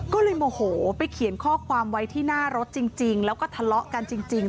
ด้วยโมโหไปเขียนข้อความไว้ที่น่ารสจริงจริงแล้วก็ทะเลาะกันจริงจริง